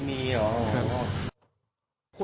ไม่มีเหรอ